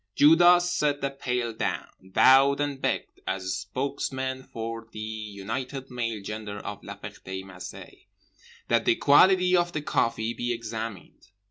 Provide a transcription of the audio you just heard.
Judas set the pail down; bowed; and begged, as spokesman for the united male gender of La Ferté Macé, that the quality of the coffee be examined.